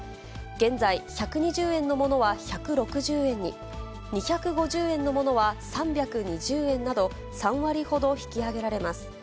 現在、１２０円のものは１６０円に、２５０円のものは３２０円など３割ほど引き上げられます。